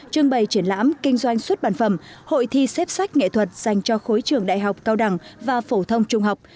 trưng bày triển lãm kinh doanh xuất bản phẩm hội thi xếp sách nghệ thuật dành cho khối trường đại học cao đẳng và phổ thông trung học